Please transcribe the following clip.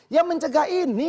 ya mencegah ini